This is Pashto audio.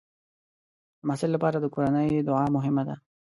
د محصل لپاره د کورنۍ دعا مهمه ده.